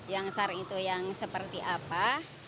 yang sar itu yang seperti apa